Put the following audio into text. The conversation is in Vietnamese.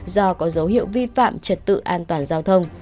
do có dấu hiệu vi phạm trật tự an toàn giao thông